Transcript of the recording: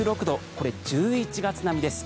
これ、１１月並みです。